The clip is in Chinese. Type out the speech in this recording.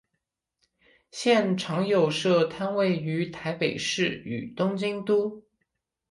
现在有常设摊位于台北市与东京都。